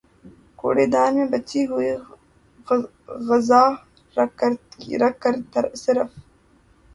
کوڑے دان میں بچی ہوئی غذا رکھ کر صرف